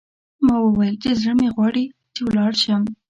ما وویل چې، زړه مې غواړي چې ولاړ شم.